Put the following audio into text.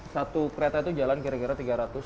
satu kereta itu jalan kira kira tiga ratus